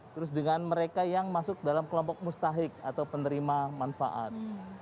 terus dengan mereka yang masuk dalam kelompok mustahik atau penerima manfaat